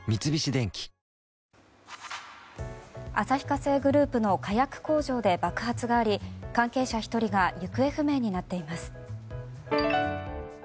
旭化成グループの火薬工場で爆発があり、関係者１人が行方不明になっています。